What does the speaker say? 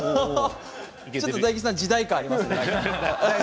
ちょっと、大吉さん時代感がありますね。